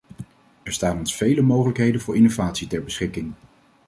Er staan ons vele mogelijkheden voor innovatie ter beschikking.